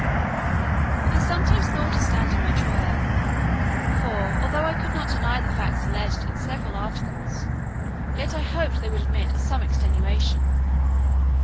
I sometimes thought of standing my trial, for, although I could not deny the facts alleged in the several articles, yet I hoped they would admit of some extenuation.